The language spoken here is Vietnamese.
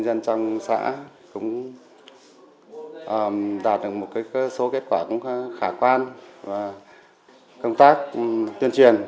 đạt được một số kết quả khả quan công tác tuyên truyền